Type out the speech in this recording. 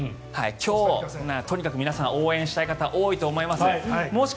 今日とにかく皆さん応援したい方が多いと思います。